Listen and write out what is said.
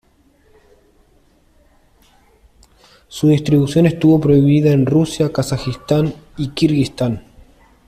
Su distribución estuvo prohibida en Rusia, Kazajistán y Kirguistán.